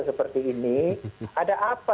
seperti ini ada apa